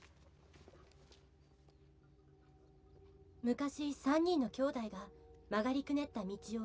「昔３人の兄弟が曲がりくねった道を」